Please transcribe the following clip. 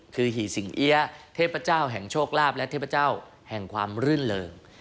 คือหี่ซิงหี้เทพเจ้าแห่งโชคลาภและช่างเทพเจ้าแห่งความลื่นเหลิม